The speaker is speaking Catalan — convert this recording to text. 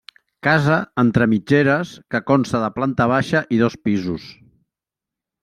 Casa entre mitgeres que consta de planta baixa i dos pisos.